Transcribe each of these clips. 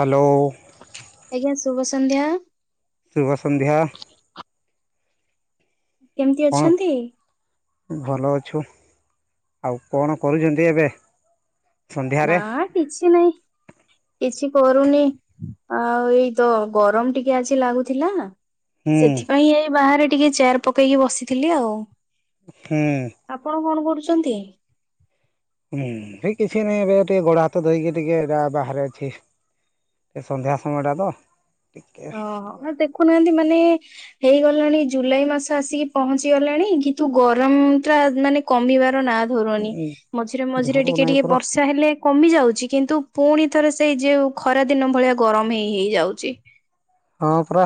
Hello. ଆଜ୍ଞା ଶୁଭ ସନ୍ଧ୍ୟା। ଶୁଭ ସନ୍ଧ୍ୟା। କେମତି କ'ଣ ଅଛନ୍ତି? ଭଲ ଅଛୁ। ଆଉ କଣ କରୁଚନ୍ତି ଏବେ? ସନ୍ଧ୍ୟାରେ ନାଁ କିଛି ନାଇଁ। କିଛି କରୁନି ଆଉ ଏଇ ତ ଗରମ ଟିକେ ଆଜି ଲାଗୁଥିଲା। ହୁଁ ସେଥିପାଇଁ ଏଇ ବାହାରେ ଟିକେ ଚେୟାର ପକେଇକି ବସିଥିଲି ଆଉ। ହୁଁ। ଆପଣ କଣ କରୁଚନ୍ତି? ଉଁ ହେ କିଛି ନାହିଁ ଏବେ ଟି ଗୋଡ଼ ହାତ ଧୋଇକି ଟିକେ ଏଟା ବାହାରେ ଅଛି। ଏ ସନ୍ଧ୍ୟା ସମୟଟା ତ। ଟିକେ ଅହ ନ ଦେଖୁନାହାନ୍ତି ମାନେ ହେଇଗଲାଣି ଜୁଲାଇ ମାସ ଆସିକି ପହଞ୍ଚି ଗଲେଣି କିନ୍ତୁ ଗରମଟା ମାନେ କମିବାର ନାଁ ଧୁରୁନି ମଝିରେ ମଝିରେ ଝରୁ ଟିକେ ନାହିଁ ଟିକେ ପୁରା ବର୍ଷା ହେଲେ କମି ଯାଉଚି କିନ୍ତୁ ପୁଣି ଥରେ ସେଇ ଯେଉ ଖରା ଦିନ ଭଳିଆ ଗରମ ହେଇ ହେଇ ହେଇଯାଉଚି। ହଁ ପରା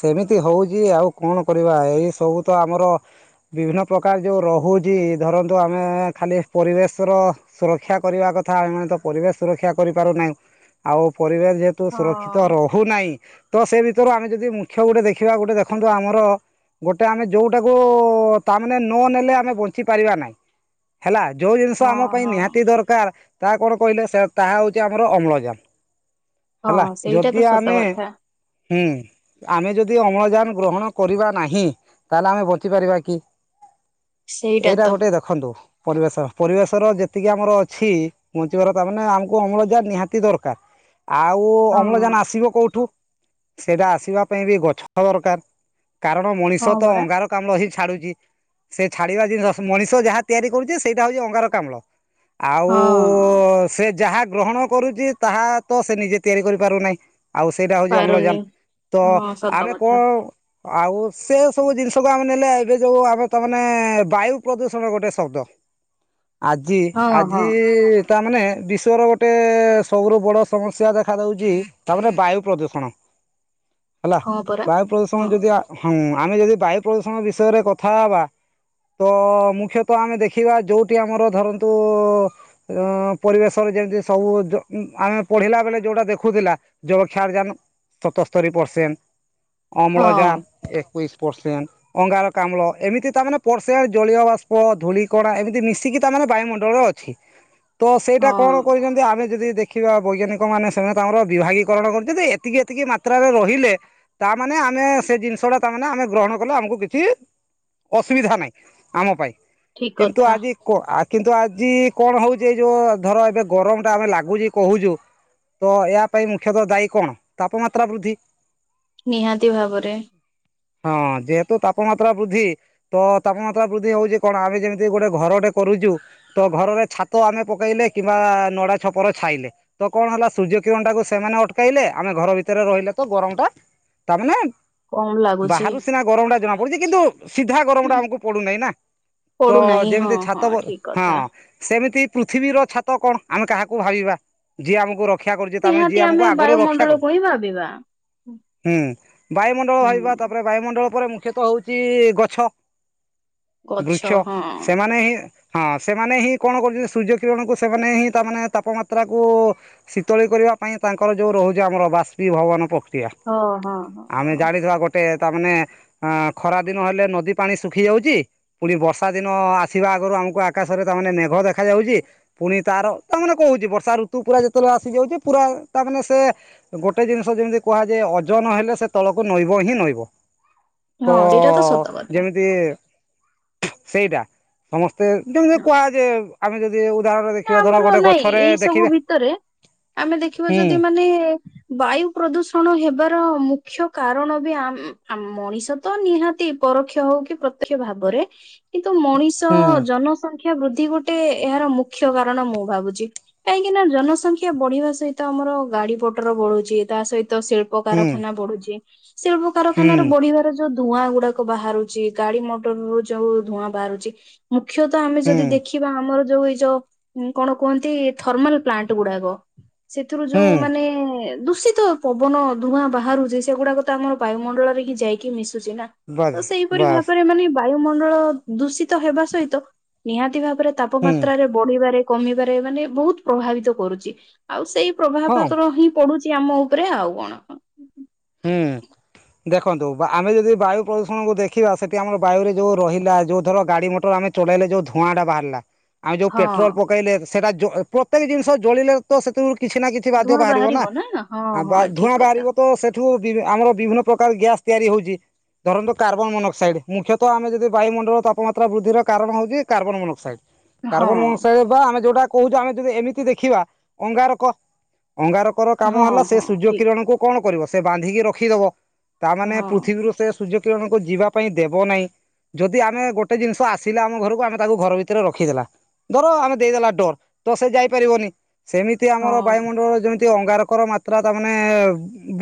ସେମିତି ହଉଚି ଆଉ କଣ କରିବା? ଏଇ ସବୁ ତ ଆମର ବିଭିନ୍ନ ପ୍ରକାର ଯେଉଁ ରହୁଚି ଧରନ୍ତୁ ଆମେ ଖାଲି ପରିବେଶର ସୁରକ୍ଷା କରିବା କଥା ଆମେ ମାନେ ତ ପରିବେଶ ସୁରକ୍ଷା କରିପାରୁ ନାହିଁ। ଆଉ ପରିବା ଯେହେତୁ ହଁ ସୁରକ୍ଷିତ ରହୁନାଇଁ ତ ସେ ଭିତରୁ ଆମେ ଯଦି ମୁଖ୍ୟ ଗୋଟେ ଦେଖିବା ଗୋଟେ ଦେଖନ୍ତୁ ଆମର ଗୋଟେ ଆମେ ଯୋଉଟାକୁ ତାମାନେ ନ ନେଲେ ଆମେ ବଞ୍ଚି ପାରିବା ନାହିଁ। ହେଲା ଜଉ ଜିନିଷ ହଁ ଆମପାଇଁ ହଁ। ନିହାତି ଦରକାର ତା କଣ କହିଲେ ସେ ତାହା ହେଉଚି ଆମର ଅମ୍ଳଜାନ। ହେଲା ହଁ ସେଇଟା ତ ଯଦି ସତ ଆମେ କଥା ହୁଁ ଆମେ ଯଦି ଅମ୍ଳଜାନ ଗ୍ରହଣ କରିବା ନାହିଁ ତାହେଲେ ଆମେ ବଞ୍ଚିପାରିବା କି? ସେଇଟା ଏଇରା ତ ଗୋଟେ ଦେଖନ୍ତୁ ପରିବେଶର ପରିବେଶର ଯେତିକି ଆମର ଅଛି ବହଞ୍ଚିବାର ତା ମାନେ ଆମକୁ ଅମ୍ଳଜାନ ନିହାତି ଦରକାର ଆଉ ହଁ ଅମ୍ଳଜାନ ଆସିବ କୋଉଠୁ? ସେଇଟା ଆସିବା ପାଇଁ ବି ଗଛ ଦରକାର କାରଣ ହଁ ମଣିଷ ତ ପରା। ଅଙ୍ଗାର କାମ୍ଳ ହି ଛାଡୁଛି। ସେ ଛାଡିବା ଜିନିଷ ମଣିଷ ଯାହା ତିଆରି କରୁଚି ସେଇଟା ହଉଛି ଅଙ୍ଗାର କାମ୍ଳ। ଆଉ ହଁ ଉ ସେ ଯାହା ଗ୍ରହଣ କରୁଛି ତାହା ତ ସେ ନିଜେ ତିଆରି କରିପାରୁନାହିଁ ଆଉ ସେଇଟା ଚି ପାରୁନି ଅମ୍ଳଜାନ ତ ହଁ ସତ ଆମେ କ କଥା। ଆଉ ସେ ସବୁ ଜିନିଷକୁ ଆମେ ନେଲେ ଏବେ ଯୋଉ ଆମେ ତମାନେ ବାୟୁ ପ୍ରଦୂଷଣ ଗୋଟେ ଶବ୍ଦ। ଆଜି ହଁ ହଁ। ଆଜି ତାମାନେ ବିଶ୍ଵର ଗୋଟେ ସବୁରୁୁ ବଡ ସମସ୍ୟା ଦେଖା ଦଉଛି ତାମାନେ ବାୟୁ ପ୍ରଦୂଷ କଣ ହେଲା ହଁ ପରା। ବାୟୁ ହଁ। ପ୍ରଦୂଷଣ ଯଦି ଆ ହଁ ଆମେ ଯଦି ବାୟୁ ପ୍ରଦୂଷଣ ବିଷୟରେ କଥା ହବା ତ ମୁଖ୍ୟତଃ ଆମେ ଦେଖିବା ଯୋଉଠି ଆମର ଧରନ୍ତୁ ଅ ପରିବେଶରେ ଯେମିତି ସବୁ ଆମେ ପଢିଲା ବେଳେ ଯୋଉଟା ଦେଖୁଥିଲା ଜବକ୍ଷାର ଯାନ ସତସ୍ତରୀ ପରସେଣ୍ଟ ଅମ୍ଳ ହଁ ଯାନ ଏକୋଇଶ ପରସେଣ୍ଟ। ଅଙ୍ଗାର କାମ୍ଳ ଏମିତି ତାମାନେ ପରର୍ସେ ଜଳୀୟ ବାଷ୍ପ ଧୂଳିକଣା ଏମିତି ମିଶିକି ତାମାନେ ବାୟୁମଣ୍ଡଳରେ ଅଛି। ହଁ ତ ସେଇଟା କଣ ହଁ କରିଛନ୍ତି ଆମେ ଯଦି ଦେଖିବା ବୈଜ୍ଞାନିକ ମାନେ ସେମାନେ ତାଙ୍କର ବିଭାଗୀକରଣ କରିଚତି। ଏତିକି ଏତିକି ମାତ୍ରାରେ ରହିଲେ ତାମାନେ ଆମେ ସେ ଜିନିଷଟା ତାମାନେ ଆମେ ଗ୍ରହଣ କଲେ ଆମକୁ କିଛି ଅସୁବିଧା ନାହିଁ ଆମ ପାଇଁ ଠିକ କିନ୍ତୁ କଥା ଆଜି କ ଆ କିନ୍ତୁ ଆଜି କଣ ହଉଛି ଏଇ ଯୋଉ ଧର ଏବେ ଗରମ ଟା ଆମେ ଲାଗୁଚି କହୁଛୁ ତ ଏଆ ପାଇଁ ମୁଖ୍ୟତଃ ଦାୟୀ କଣ ତାପମାତ୍ରା ବୃଦ୍ଧି। ନିହାତି ଭାବରେ। ହଁ ଯେହେତୁ ତାପମାତ୍ରା ବୃଦ୍ଧି ତ ତାପମାତ୍ରା ବୃଦ୍ଧି ହଉଛି କଣ ଆମେ ଯେମିତି ଗୋଟେ ଘରଟେ କରୁଛୁ ତ ଘରରେ ଛାତ ଆମେ ପକେଇଲେ କିମ୍ବା ନଡା ଛପର ଛାଇଲେ ତ କଣ ହେଲା ସୂର୍ଯ୍ୟ କିରଣଟାକୁ ସେମାନେ ଅଟକାଇଲେ ଆମେ ଘର ଭିତରେ ରହିଲେ ତ ଗରମ ଟା ତାମାନେ କମ ଲାଗୁଛି। ବାହାରୁ ସିନା ଗରମ ଟା ଜଣାପଡିୁଛି କିନ୍ତୁ ସିଧା ହୁଁ, ଗରମଟା ଆମକୁ ପଡୁନାହିଁ ନା ତ ପଡୁନାହିଁ ହଁ ଯେମିତି ଛାତ ହଁ ଠିକ କଥା ସେମିତି ପୃଥିବୀର ଛାତ କଣ ଆମେ କାହାକୁ ଭାବିବା ଯିଏ ଆମକୁ ର ରକ୍ଷା କରୁଛି ତାମାନେ ଯି ଆମକୁ ଆଗରୁ ରଖ କହି ଭାବିବା। ହୁଁ ବାୟୁମଣ୍ଡଳ ହୁଁ ଭାହିବା ତାପରେ ବାୟୁମଣ୍ଡଳ ପରେ ମୁଖ୍ୟତଃ ହଉଛି ଗଛ ଗଛ ବୃକ୍ଷ ହଁ। ସେମାନେ ହିଁ ହଁ ସେମାନେ ହିଁ କଣ କରୁଛନ୍ତି ସୂର୍ଯ୍ୟ କିରଣକୁ ସେମାନେ ହିଁ ତାମାନେ ତାପମାତ୍ରାକୁ ଶୀତଳି କରିବା ପାଇଁ ତାଙ୍କର ଯୋଉ ରହୁଛି ଯେ ଆମର ବାଷ୍ପୀଭବନ ପକ୍ରିୟ ହଁ ହଁ ହଁ ଆମେ ହଁ। ଜାଣିଥିବା ଗ ଟେ ତା ମାନେ ଅ ଖରା ଦିନ ହେଲେ ନଦୀ ପାଣି ଶୁଖି ଯାଉଚି ପୁଣି ବର୍ଷା ଦିନ ଆସିବା ଆଗରୁ ଆମକୁ ଆକାଶରେ ତାମାନେେ ମେଘ ଦେଖା ଯାଉଚି। ପୁଣି ତାର ତା ମାନେ କହୁଚି ବର୍ଷା ଋତୁ ପୁରା ଯେତୋଲ ଆସିଯାଉଚି ପୁରା ତା ମାନେ ସେ ତ ଗୋଟେ ଜିନିଷ ଯେମତି କୁହାଯାଏ ଅଜନ ହେଲେ ସେ ତଳକୁ ନୋଇବ ହିଁ ନୋଇବ। ତ ହଁ ସେଇଟା ସତ କଥା। ଯେମିତି ସେଇଟା ସମସ୍ତେ ଯେମିତି କୁହା ଯେ ଆମେ ଯଦି ଉଧାର ନାଁ ଆମର ନାଇଁ ଏଇ ସବୁ ଭିତରେ ଆମେ ଦେଖିବା ହୁଁ ଯଦି ମାନେ ବାୟୁ ପ୍ରଦୂଷଣ ହେବାର ମୁଖ୍ୟ କାରଣ ବି ଆମ୍ ଆ ମଣିଷ ତ ନିହାତି ପରୋକ୍ଷ ହଉ କି ପ୍ରତ୍ୟକ୍ଷ ଭାବରେ। କିନ୍ତୁ ମଣିଷ ହୁଁ ଜନସଂଖ୍ୟା ବୃଦ୍ଧି ଗୋଟେ ଏହାର ମୁଖ୍ୟ କାରଣ ମୁଁ ଭାବୁଚି। କାହିଁକି ନା ଜନସଂଖ୍ୟା ବଢ଼ିବା ସହିତ ଆମର ଗାଡ଼ି ପଟର ବଢ଼ୁଚି ତା ସହିତ ଶିଳ୍ ହୁଁ ପକାରଖାନା ବଢ଼ୁଚି ସେ ହୁଁ ଶିଳ୍ପକାରଖାନର ବଢ଼ିବାର ଯଉ ଦୁଆ ଗୁଡ଼ାକ ବାହାରୁଚି ଗାଡ଼ି ମଟରରୁ ଯୋଉ ଧୂଆଁ ବାହାରୁଚି ମୁଖ୍ୟତଃ ଆମେ ହୁଁ ଯଦି ଦେଖିବା ଆମର ଯୋଉ ଏଇ ଯ ଉଁ କଣ କୁହନ୍ତି ଥର୍ମାଲ୍ ପ୍ଲାଣ୍ଟ ଗୁଡ଼ାକ ସେଥୁରୁ ହୁଁ ଯୋଉ ମାନେ ଦୂଷିତ ପବନ ଧୂଆଁ ବାହାରୁଚି ସେଗୁଡ଼ାକ ତ ଆମର ବାୟୁମଣ୍ଡଳରେ କି ଯାଇକି ମିଶୁଚି ନାଁ। ତ ବାସ୍ ସେହିପରି ବାସ୍ ଭାବରେ ମାନେ ବାୟୁମଣ୍ଡଳ ଦୂଷିତ ହେବା ସହିତ ନିହାତି ଭାବରେ ହୁଁ ତାପମାତ୍ରାରେ ପଢ଼ିବାରେ କମିବାରେ ମାନେ ବହୁତ ପ୍ରଭାବିତ କରୁଚି ଆଉ ସେଇ ହଁ ପ୍ରଭାବର ତଳ ହିଁ ପଡ଼ୁଚି ଆମ ଉପରେ ଆଉ କଣ କଣ? ହୁଁ। ଦେଖନ୍ତୁ ବା ଆମେ ଯଦି ବାୟୁ ପ୍ରଦୂଷଣକୁ ଦେଖିବା ସେଠି ଆମର ବାୟୁରେ ଯୋଉ ରହିଲା ଯୋଉ ଧର ଗାଡ଼ି ମଟର ଆମେ ଚଲାଇଲେ ଯଉ ଧୂଆଁଟା ବାହାରିଲା ଆମେ ଯୋଉ ହଁ। ପେଟ୍ରୋଲ୍ ପକେଇଲେ ସେଟା ଜୋ ପ୍ରତ୍ୟେକ ଜିନିଷ ଜଳିଲେ ତ ସେଥିରୁ କିଛି ନାଁ କି ତି ବାଦ୍ୟ ଧୂଆଁ ବାହାରିବ ନା ହଁ ଆ ବା ହଁ ଠିକ ଧୂଆଁ କଥା ବାହାରିବ ତ ସେ ଥୁ ବି ଆମର ବିଭିନ୍ନ ପ୍ରକାର ଗ୍ୟାସ୍ ତିଆରି ହଉଚି। ଧରନ୍ତୁ କାର୍ବନ ମୋନୋକ୍ସାଇଡ଼୍ ମୁଖ୍ୟତଃ ଆମେ ଯଦି ବାୟୁଣ୍ଡଳ ତାପମାତ୍ର ବୃଦ୍ଧି କାରଣ ହଉଚି କାର୍ବନ ମୋନୋକ୍ସାଇଡ଼୍। ହଁ କାର୍ବନ ମଁସାଇ ବା ଆମେ ଯୋଉଟା କହୁଚୁ ଆମେ ଯଦି ଏମିତି ଦେଖିବା ଅଙ୍ଗାରକ। ଅଙ୍ଗାରକର କାମ ହେଲା ହଁ ସେ ହଁ ସୂର୍ଯ୍ୟ ଠିକ। କିରଣକୁ କଣ କରିବ ସେ ବାନ୍ଧିକି ରଖିଦବ। ତାମାନେ ହଁ ପୃଥିବୀରୁ ସେ ସୂର୍ଯ୍ୟକିରଣଙ୍କୁ ଯିବା ପାଇଁ ଦେବ ନାହିଁ। ଯଦି ଆମେ ଗୋଟେ ଜିନିଷ ଆସିଲା ଆମ ଘରକୁ ଆମେ ତାକୁ ଘର ଭିତରେ ରଖିଦେଲା ଧର ଆମେ ଦେଇଦେଲା ଡୋର ତ ସେ ଯାଇପାରିବନି ସେମି ତି ଆମର ହଁ ବାୟୁମଣ୍ଡଳର ଯେମିତି ଅଙ୍ଗାରକର ମାତ୍ରା ତାମାନେ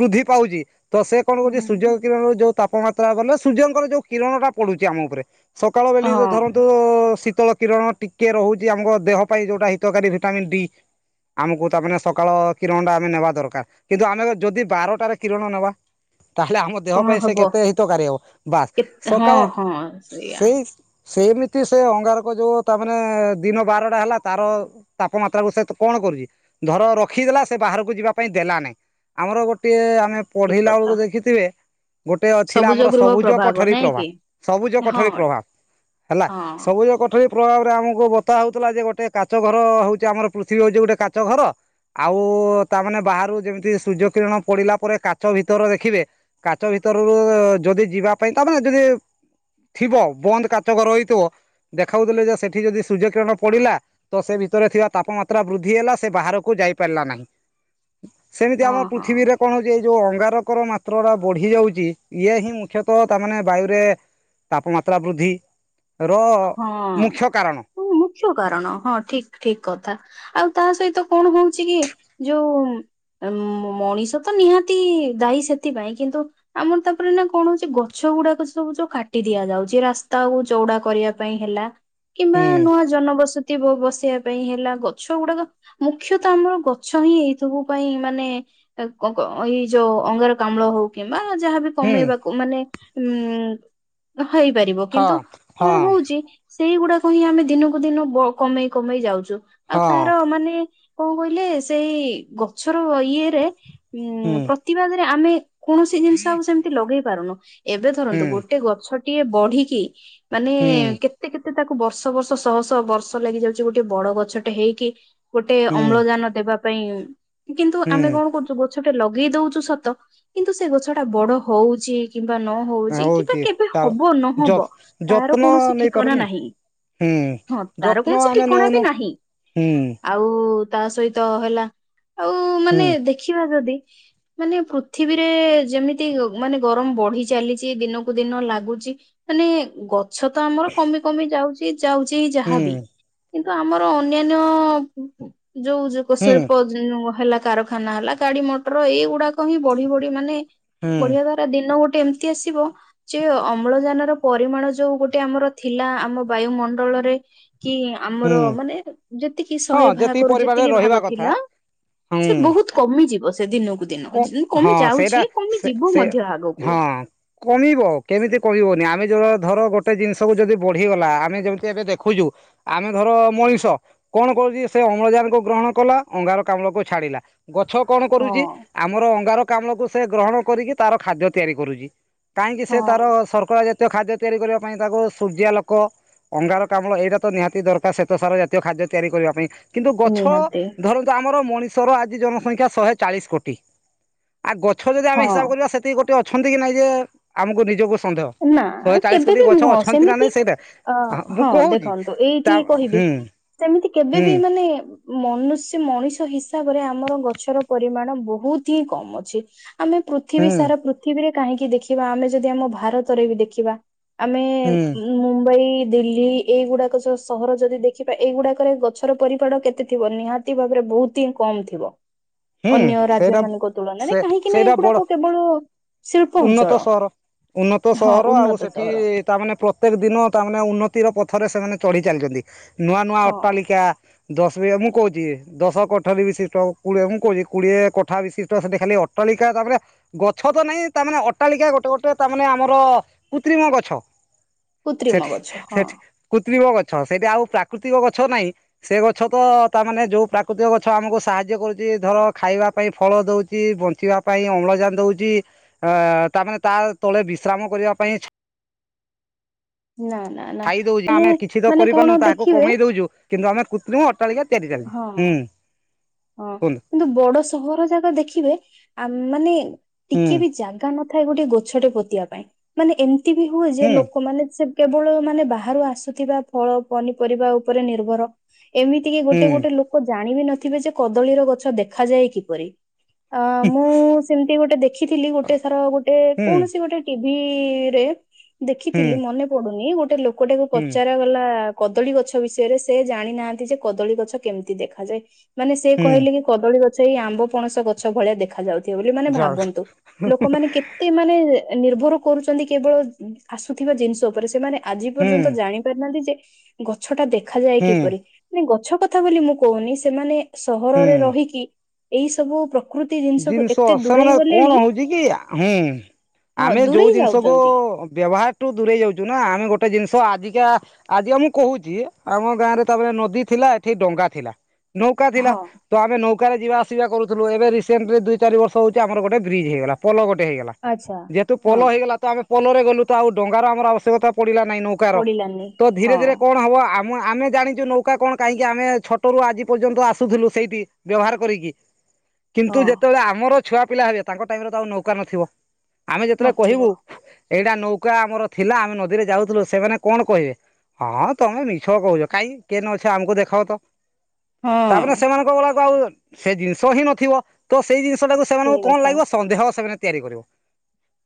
ବୃଦ୍ଧି ପାଉଚି ତ ସେ କଣ କରୁଚି ସୂର୍ଯ୍ୟ ହଁ। କିରଣରୁ ଯୋଉ ତାପମାତ୍ରା ବୋଲେ ସୂର୍ଯ୍ୟଙ୍କର ଯୋଉ କିରଣଟା ପଡ଼ୁଚି ଆମ ଓପରେ ସକାଳ ବେଲି ହଁ ଧରନ୍ତୁ ଶୀତଳ କିରଣ ଟିକେ ରହୁଚି ଆମ ଦେହ ପାଇଁ ଯୋଉଟା ହିତକାରୀ ଭିଟାମନ ଡି। ଆମୁକୁ ତା ମାନେ ସକାଳ କିରଣଟା ଆମେ ନେବା ଦରକାର କିନ୍ତୁ ଆମେ ଯୋଦି ବାରଟାରେ କିରଣ ନେବା ତାହେଲେ ଆମ ଦେହ କଣ ପାଇଁ ସେ ହବ କେତେ ହିତକାରୀ ହେବ ବାସ୍ କେତେ ହଁ ସକାଳ ହଁ ସେଇଆ ସେଇ ସେଇମିତି ସେ ଅଙ୍ଗାରକ ଯୋଉ ତା ମାନେ ଦିନ ବାରଟା ହେଲା ତାର ତାପମାତ୍ରାକୁ ସେ ତ କଣ କରୁଚି ଧର ରଖିଦେଲା ସେ ବାହାରୁକୁ ଯିବା ପାଇଁ ଦେଲା ନେଇ। ଆମର ଗୋଟଏ ଆମେ ଠିକ ପଢ଼େଇଲା କଥା ଅଳୁକୁ ଦେଖିଥିବେ ଗୋଟେ ଅ ଥିଲା ସବୁଜ ଆମର ଗୃହ ସବୁଜ ପ୍ରଭାବ କଠରୀ ନାଇଁ ପ୍ରଭା କି? ସବୁଜ କୋଠରୀ ହଁ ପ୍ରଭାବ। ହେଲା ହଁ ସବୁଜ କୋଠରୀ ପ୍ରଭାବରେ ଆମକୁ ବତା ହଉଥିଲା ଯେ ଗୋଟେ କାଚ ଘର ହଉଛି ଆମର ପୃଥିବୀ ହଉଛି ଗୋଟେ କାଚ ଘର। ଆଉ ତାମାନେ ବାହାରୁ ଯେମିତି ସୂର୍ଯ୍ୟ କିରଣ ପଡିଲା ପରେ କାଚ ଭିତର ଦେଖିବେ କାଚ ଭିତରରୁ ଯଦି ଯିବା ପାଇଁ ତାମାନେ ଯଦି ଥିବ ବନ୍ଦ କାଚ ଘର ହେଇଥିବ ଦେଖାଉଥିଲେ ଯେ ସେଠି ଯଦି ସୂର୍ଯ୍ୟ କିିରଣ ପଡିଲା ତ ସେ ଭିତରେ ଥିବା ତାପମାତ୍ରା ବୃଦ୍ଧି ହେଲା ସେ ବାହାରକୁ ଯାଇ ପାରିଲା ନାହିଁ। ସେମିତି ହଁ ଆମ ପୃଥିବୀରେ ହଁ କଣ ହଉଛି ଜେ ଯୋଉ ଅଙ୍ଗାରକର ମାତ୍ରଟା ବଢି ଯାଉଛି ଇଏ ହିଁ ମୁଖ୍ୟତଃ ତାମାନେ ବାୟୁରେ ତାପମାତ୍ରା ବୃଦ୍ଧି। ର ମୁଖ୍ୟ କାରଣ ହଁ ମୁଖ୍ୟ କାରଣ ହଁ ଠିକ ଠିକ କଥା। ଆଉ ତା ସହିତ କଣ ହଉଛି କି ଯୋଉ ଉ ମଣିଷ ତ ନିହାତି ଦାୟୀ ସେଥିପାଇଁ କିନ୍ତୁ ଆମର ତାପରେ ନା କଣ ହଉଛି ଗଛ ଗୁଡାକ ସବୁ ଯୋଉ କାଟି ଦିଆଯାଉଛି ରାସ୍ତାକୁ ଚଉଡା କରିବା ପାଇଁ ହେଲା କିମ୍ବା ହୁଁ ନୂଆ ଜନବସତି ବ ଵସିବା ପାଇଁ ହେଲା ଗଛ ଗୁଡାକ ମୁଖ୍ୟତଃ ଆମର ଗଛ ହିଁ ଏଇ ସବୁ ପାଇଁ ମାନେ ଏଇ ଯୋଉ ଅଙ୍ଗର କାମ୍ଳ ହଉ କିମ୍ବା ଯାହାବି ହୁଁ କମେଇବାକୁ ମାନେ ଉ ହେଇପାରିବ କିନ୍ତୁ ହଁ କଣ ହଁ ହଉଛି ଚି ସେଇଗୁଡାକ ହିଁ ଆମେ ଦିନକୁ ଦିନ କମେଇ କମେଇ ଯାଉଛୁ ଆଉ ହଁ ତାର ମାନେ କଣ କହିଲେ ସେଇ ଗଛର ଇଏରେ ହୁଁ ଇଁ ପ୍ରତିବାଦରେ ଆମେ କୌଣସି ଜିନିଷ ଆଉ ସେମିତି ଲଗେଇ ପାରୁନୁ ଏବେ ଧରନ୍ତୁ ହୁଁ ଗୋଟେ ଗଛଟିଏ ବଢିକି ମାନେ ହୁଁ କେତେ କେତେ ତାକୁ ବର୍ଷ ବର୍ଷ ଶହ ଶହ ବର୍ଷ ଲାଗି ଯାଉଛି ଗୋଟେ ବଡ ଗଛ ଟେ ହେଇକି ଗୋଟେ ହୁଁ ଅମ୍ଳଜାନ ଦେବା ପାଇଁ କିନ୍ତୁ ହୁଁ ଆମେ କଣ କରୁଛୁ ଗୋ ଗଛଟେ ଲଗେଇ ଦଉଚୁ ସତ କିନ୍ତୁ ସେ ଗଛ ଟା ବଡ ହଉଛି କିମ୍ବା ନ ହଉଛି କିମ୍ବା କେବେ ହବ ନହବ ତାର ଯତ୍ନ କୌଣସି ଠିକ ଠିକଣା ନେଇପାରୁନୁ ନାହିଁ ହୁଁ ହଁ ତାର ଯତ୍ନ କୌଣସି ଆମେ ଠିକଣା ବି ନଉନୁ ନାହିଁ। ହୁଁ ଆଉ ତା ସହିତ ହେଲା ଆଉ ମାନେ ହୁଁ ଦେଖିବା ଯଦି ମାନେ ପୃଥିବୀରେ ଯେମିତି ମାନେ ଗରମ ବଢି ଚାଲିଛି ଦିନକୁ ଦିନ ଲାଗୁଛି ମାନେ ଗଛ ତ ଆମର କମି କମି ଯାଉଛି ଯାଉଛି ହୁଁ ଯାହାବି କିନ୍ତୁ ଆମର ଅନ୍ୟାନ୍ୟ ଯୋଉ ଯ ହୁଁ ଶିଳ୍ପ ହେଲା କାରଖାନା ହେଲା ଗାଡି ମଟର ଏଇଗୁଡାକ ହିଁ ବଢି ବଢି ମାନେ ହୁଁ ବଢିଆ ଦ ପୁରା ଦିନ ଗୋଟେ ଏମିତି ଆସିବ ଯେ ଅମ୍ଳଜାନ ର ପରିମାଣ ଯୋଉ ଗୋଟେ ଆମର ଥିଲା ଆମ ବାୟୁମଣ୍ଡଳରେ କି ଆମର ହୁଁ ମାନେ ଯେତିକି ହଁ ଶହେ ଭାଗରୁ ପରିବାରରେ ଯେତିକି ରହିବା ଭାଗ କଥା ଥିଲା ସେ ହୁଁ ବହୁତ କମିଯିବ ସେ ଦିନକୁ କଣ ଦିନ ହଁ କମି ସେଇଟା ଯାଉଛି କମି ସେ ଯିବ ସେ ମଧ୍ୟ ଆଗକୁ ହଁ କମିବ କେମିତି କମିବନି ଆମେ ଯ ଧର ଗୋଟେ ଜିନିଷକୁ ଯଦି ବଢିଗଲା ଆମେ ଯେମିତି ଏବେ ଦେଖୁଛୁ ଆମେ ଧର ମଣିଷ କଣ କରୁଛି ସେ ଅମ୍ଳଜାନ କୁ ଗ୍ରହଣ କଲା ଅଙ୍ଗାର କାମ୍ଳକୁ ଛାଡିଲା। ଗଛ କଣ ହଁ। କରୁଛି ଆମର ଅଙ୍ଗାର କାମ୍ଳକୁ ସେ ଗ୍ରହଣ କରିକି ତାର ଖାଦ୍ୟ ତିଆରି କରୁଛି। କାହିଁକି ସେ ତାର ହଁ ସର୍କରା ଜାତୀୟ ଖାଦ୍ୟ ତିଆରି କରିବା ପାଇଁ ତାକୁ ସୂର୍ଯ୍ୟା ଲୋକ ଅଙ୍ଗାର କାମଳ ଏଇଟା ତ ନିହାତି ଦରକାର ଶ୍ୱେତସାର ଜାତୀୟ ଖାଦ୍ୟ ତିଆରି କରିବା ପାଇଁ। କିନ୍ତୁ ଗଛ ନିହାତି ଧରନ୍ତୁ ଆମର ମଣିଷର ଆଜି ଜନସଂଖ୍ୟା ଶହେ ଚାଳିଶ କୋଟି ଆ ଗଛ ଯଦି ଆମେ ହଁ। ହିସାବ କରିବା ସେତିକି ଗୋଟେ ଅଛନ୍ତି କି ନାଇଁ ଯେ ଆମକୁ ନିଜକୁ ସନ୍ଦେହ ନା ଶହେ ଚାଳିଶ କେବେ କୋଟି ବି ଗଛ ନୁହଁ ଅଛନ୍ତି ନା ସେମିତି ନାଇଁ ଅ ସେଇଟା ମୁଁ ହଁ କହୁଛି ଦେଖନ୍ତୁ ତା ଏଇଠି କହିବି ହୁଁ ସେମିତି କେବେ ହୁଁ ବି ମାନେ ମନୁଷ୍ୟ ମଣିଷ ହିସାବରେ ଆମର ଗଛର ପରିମାଣ ବହୁତ ହିଁ କମ ଅଛି। ଆମେ ପୃ ପୃିବୀ ହୁଁ ସାରା ପୃଥିବୀରେ କାହିଁକି ଦେଖିବା ଆମେ ଯଦି ଆମ ଭାରତରେ ବି ଦେଖିବା। ଆମେ ହୁଁ ମୁମ୍ବାଇ ଦିଲ୍ଲୀ ଏଇଗୁଡ଼ାକ ସହର ଯଦି ଦେଖିବା ଏଇଗୁଡ଼ାକରେ ଗଛର ପରିମାଣ କେତେ ଥିବ ନିହାତି ଭାବରେ ବହୁତ ହିଁ କମ ଥିବ। ହୁଁ ଅନ୍ୟ ରାଜ୍ୟ ସେଇଟା ମାନଙ୍କ ତୁଳନାରେ ସେ କାହିଁକି ନା ସେଇଟା ବଡ ଏଗୁଡାକ କେବଳ ଶିଳ୍ପ ଉନ୍ନତ ଅଞ୍ଚଳ। ସହର ଉନ୍ନତ ହଁ ସହର ଆଉ ଉନ୍ନତ ସେଠି ସହର ତାମାନେ ପ୍ରତ୍ୟେକ ଦିନ ତାମାନେ ଉନ୍ନତିର ପଥରେ ସେମାନେ ଚଢ଼ି ଚାଲିଛନ୍ତି। ନୂଆ ନୂଆ ହଁ ଅଟ୍ଟାଳିକା ଦଶ ବି ମୁଁ କହୁଛି ଦଶ କଠରି ବିଶିଷ୍ଟ କୁ ମୁ କୋଡିଏ କଠା ବିଶିଷ୍ଟ ସେଠା ଖାଲି ଅଟଳିକା ତାପରେ ଗଛ ତ ନାଇଁ ତାମାନେ ଅଟାଳିକା ଗୋଟେ ଗୋଟେ ତାମାନେେ ଆମର କୃତ୍ରିମ ଗଛ। କୃତ୍ରିମ ସେଠି ଗଛ ହଁ। ସେଠି କୃତ୍ରିମ ଗଛ ସେଠି ଆଉ ପ୍ରାକୃତିକ ଗଛ ନାହିଁ। ସେ ଗଛ ତ ତାମାନୋନେ ଯୋଉ ପ୍ରାକୃତିକ ଗଛ ଆମକୁ ସାହାଯ୍ୟ କରୁଛି ଧର ଖାଇବା ପାଇଁ ଫଳ ଦଉଛି ବଞ୍ଚିବା ପାଇଁ ଅମ୍ଳଜାନ ଦଉଛି ଅ ତାମାନେ ତା ତଳେ ବିଶ୍ରାମ କରିବା ପାଇଁ ନା ନା ନା ଖାଇଦଉଛୁ ମାନେ ଆମେ କିଛି ତ ମାନେ କରିପାରୁନୁ କଣ ତାହାକୁ ଦେଖିବେ କମେଇ ଦଉଛୁ କିନ୍ତୁ ଆମେ କୁତ୍ରିମ ଅଟାଳିକଆ ତିଆରି ହଁ ଚାଲିଚୂ। ବୁଁ ହଁ କିନ୍ତୁ ବଡ ସହର ଯାକ ଦେଖିବେ ଆ ମାନେ ହୁଁ ଟିକେ ବି ଜାଗା ନଥାଏ ଗୋଟେ ଗଛଟେ ପୋତିବା ପାଇଁ। ମାନେ ଏମିତି ବି ହୁଏ ଯେ ହୁଁ ଲୋକମାନେ ସେ କେବଳ ମାନେ ବାହାରୁ ଆସୁଥିବା ଫଳ ପନିପରିବା ଉପରେ ନିର୍ଭର। ଏମିତି କି ହୁଁ ଗୋଟେ ଗୋଟେ ଲୋକ ଜାଣିବି ନଥିବେ ଯେ କଦଳୀର ଗଛ ଦେଖାଯାଏ କିପରି। ଅ ମୁଁ ସେମତି ଗୋଟେ ଦେଖିଥିଲି ଗୋଟେ ସାର ଗୋଟେ ହୁଁ କୌଣସି ଗୋଟେ ଟିଭିରେ ହୁଁ ଦେଖିଥିଲି ମନେ ପଡୁନି ଗୋଟେ ଲୋକଟାକୁ ହୁଁ ପଚାରାଗଲା କଦଳୀ ଗଛ ବିଷୟରେ ସେ ଜାଣିନାହାନ୍ତି ଯେ କଦଳୀ ଗଛ କେମିତି ଦେଖାଯାଏ। ମାନେ ସେ ହୁଁ କହିଲେ କି କଦଳୀ ଗଛ ଏଇ ଆମ୍ବ ପଣସ ଗଛ ଭଳିଆ ଦେଖା ଯାଉଥିବ ବୋଲି। ମାନେ ଯ ଭାବନ୍ତୁ ଲୋକମାନେ ମାନେ ନିର୍ଭର କରୁଛନ୍ତି କେବଳ ଆସୁଥିବା ଜିନିଷ ଉପରେ ସେମାନେ ଆଜି ହୁଁ ପର୍ଯ୍ୟନ୍ତ ଜାଣି ନାହାନ୍ତି ଯେ ଗଛ ଟା ଦେଖାଯାଏ ହୁଁ କିପରି। ମାନେ ଗଛ କଥା ବୋଲି ମୁଁ କହୁନି ସେମାନେ ହୁଁ ସହରରେ ରହିକି ଏଇ ସବୁ ପ୍ରକୃତି ଜିନିଷଠୁ ଜିନିଷ ଏତେ ଦୂରେଇ ସେମାନେ ଗଲେଣି କଣ ହଉଛି କି ହୁଁ ହଁ ଆମେ ଯୋଉ ଦୂରେଇ ଜିନିଷକୁ ଯାଉଛନ୍ତି। ବ୍ୟବହାରଠୁ ଦୂରେଇ ଯାଉଛୁ ନା ଆମେ ଗୋଟେ ଜିନିଷ ଆଜିକା ଆଜି ମୁଁ କହୁଛି ଆମ ଗାଁ ରେ ତାପରେ ନଦୀ ଥିଲା ଏଠି ଡଙ୍ଗା ଥିଲା। ନୌକା ଥିଲା ହଁ ତ ଆମେ ନୌକାରେରେ ଯିବା ଆସିବା କରୁଥିଲୁ। ଏବେ ଦୁଇ ଚାରିବର୍ଷ ହଉଛି ଆମର ଗୋଟେ ବ୍ରିଜ୍ ହେଇଗଲା ପୋ ଗୋଟେ ହେଇଲା ଆଚ୍ଛା ଯେହେତୁ ହଁ ପୋଲୋ ହେଇଗଲା ଆମେ ପଲରେ ଗଲୁ ତ ଆଉ ଡଙ୍ଗାର ର ଆମର ଆବଶ୍ୟକତା ପଡିଲା ନାହିଁ ନୌକା ର। ପଡିଲାନି। ତୋ ଧୀରେ ହଁ ଧୀରେ କଣ ହବ ଁ ଆମେ ଜାଣିଛୁ ନୌକା କଣ କାହିଁକି ଆମେ ଛଟ ରରୁ ଆଜି ପର୍ଯ୍ୟନ୍ତ ଆସୁଥିଲୁ ସେଇଠି ବ୍ୟବହାର କରିକି। କିନ୍ତୁ ହଁ ଯେତେବେଳେ ଆମର ଛୁଆ ପିଲା ହେବେ ତାଙ୍କ ଟାଇମ ରେ ତ ଆଉ ନୌକା ନଥିବ ଆମେ ଯେତେବେଳେ କହିବୁ ନଥିବ। ଏଇଟା ନୌକା ଆମର ଥିଲା ଆମେ ନଦୀରେ ଯାଉଥିଲୁ ସେମାନେ କଣ କହିବେ? ହଁ ତମେ ମିଛ କହୁଛ କାଇଁ କେନ ଅଛ ଆମକୁ ଦେଖାଅ ତ। ତାପ ହଁ। ସେମାନଙ୍କ ଗୁଡାକ ଆଉ ସେ ଜିନିଷ ହିଁ ନଥିବ। ତ ସେଇ ଜିନିଷ ଟାକୁ ସେମାନଙ୍କୁ ସେଇ କଣ କଥା। ଲାଗିବ ସନ୍ଦେହ ସେମାନେ ତିଆରି କରିବ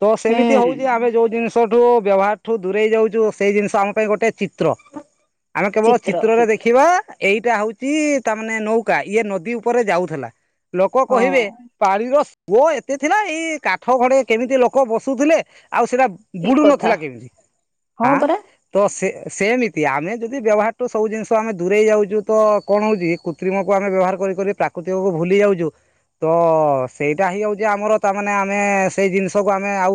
ତ ସେମିତି ହୁଁ ହଉଛି ଆମେ ଯୋଉ ଜିନିଷ ଗଷଠୁ ବ୍ୟବହାର ଠୁ ଦୂରେଇ ଯାଉଛୁ ସେଇ ଜିନିଷ ଆମ ପାଇଁ ଗୋଟେ ଚିତ୍ର। ଆମେ କେବଳ ଚିତ୍ର ଚିତ୍ରରେ ଚିତ୍ର ଦେଖିବା ଏଇଟା ହଉଛି ତା ମାନେ ନୌକା ଇଏ ନଦୀ ଉପରେ ଯାଉଥିଲା। କ କହିବେ ହଁ। ପାଣି ର ପୁଅ ଏତେ ଥିଲା ଏଇ କାଠଘଡେ କେମିତି ଲୋକ ବସୁଥିଲେ। ଆଉ ସେଇଟା ଠିକ ବୁଡୁ କଥା ନଥିଲା କେମିତି? ହଁ ଆଁ ପରା ତ ସେ ସେମିତି ଆମେ ଯଦି ବ୍ୟବହାରଠୁ ସବୁ ଜିନିଷ ଆମେ ଦୂରେଇ ଯାଉଛୁ ତ କଣ ହଉଛି କୀ ତ୍ରିମକୁ ଆମେ ବ୍ୟବହାର କରି କରି ପ୍ରାକୃତିକକୁ ଭୁଲି ଯାଉଛୁ। ତ ସେଇଟା ହେଇଯାଉଛି ଆମର ତାମାନେ, ଆମେ ସେଇ ଜିନିଷକୁ ଆମେ ଆଉ